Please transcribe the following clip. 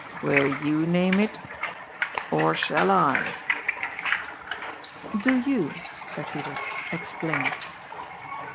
" Will you name it ? Or shall I ?"" Do you," said Hubert, " explain."